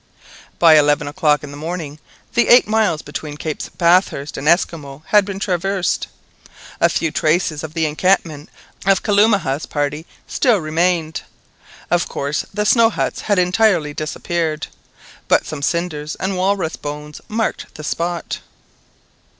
By eleven o'clock in the morning the eight miles between Capes Bathurst and Esquimaux had been traversed. A few traces of the encampment of Kalumah's party still remained; of course the snow huts had entirely disappeared, but some cinders and walrus bones marked the spot.